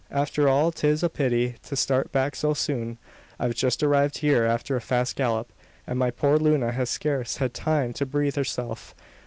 After all 'tis a pity to start back so soon. I've just arrived here after a fast gallop; and my poor Luna has scarce had time to breathe herself.